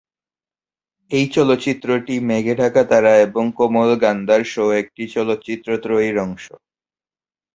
এই চলচ্চিত্রটি মেঘে ঢাকা তারা এবং কোমল গান্ধার সহ একটি চলচ্চিত্র-ত্রয়ীর অংশ।